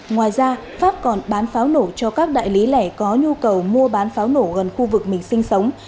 ngoài ra pháp còn bán pháo nổ cho các đại lý lẻ có nhu cầu mua bán pháo nổ gần khu vực mình sinh sống